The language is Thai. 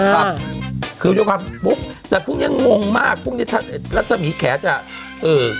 ครับคือเรียกว่าปุ๊บแต่พรุ่งนี้งงมากพรุ่งนี้ถ้าลักษณะหมีแขกจะเอ่อ